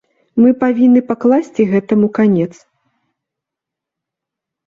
Мы павінны пакласці гэтаму канец.